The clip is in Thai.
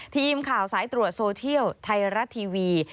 ทีมข่าวสายตรวจโซเชียลไทยรัฐทีวี